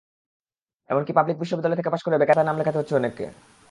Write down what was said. এমনকি পাবলিক বিশ্ববিদ্যালয় থেকে পাস করেও বেকারের খাতায় নাম লেখাতে হচ্ছে অনেককে।